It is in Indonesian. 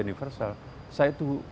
universal saya itu